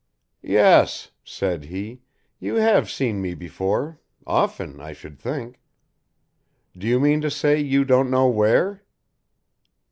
"Yes," said he, "you have seen me before, often, I should think. Do you mean to say you don't know where?"